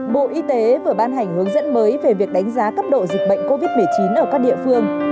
bộ y tế vừa ban hành hướng dẫn mới về việc đánh giá cấp độ dịch bệnh covid một mươi chín ở các địa phương